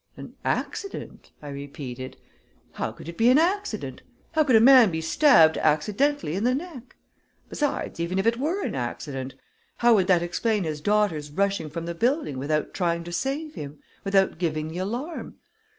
"An accident?" I repeated. "How could it be an accident? How could a man be stabbed accidentally in the neck? Besides, even if it were an accident, how would that explain his daughter's rushing from the building without trying to save him, without giving the alarm?